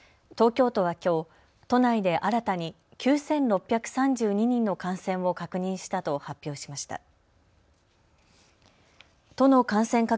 東京都はきょう都内で新たに９６３２人の感染を確認したと発表しました。